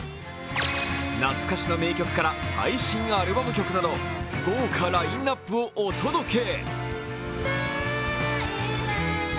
懐かしの名曲から最新アルバム曲など豪華ラインナップをお届け。